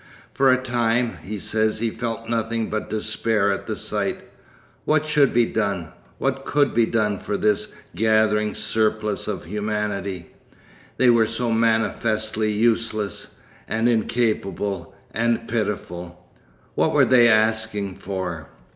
For a time, he says, he felt nothing but despair at the sight; what should be done, what could be done for this gathering surplus of humanity? They were so manifestly useless—and incapable—and pitiful. What were they asking for?